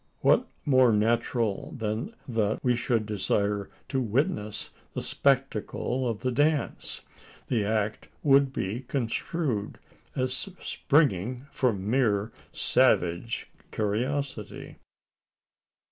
What more natural than that we should desire to witness the spectacle of the dance? The act would be construed as springing from mere savage curiosity?